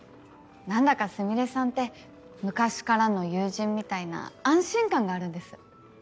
何だかスミレさんって昔からの友人みたいな安心感があるんです。